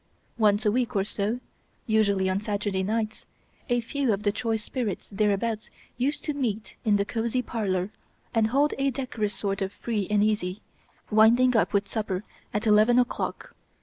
Once a week or so usually on Saturday nights a few of the choice spirits thereabouts used to meet in the cosy parlor and hold a decorous sort of free and easy, winding up with supper at eleven o'clock.